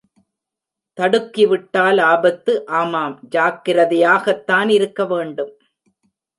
தடுக்கிவிட்டால் ஆபத்து... ஆமாம், ஜாக்கிரதையாகத்தான் இருக்கவேண்டும்!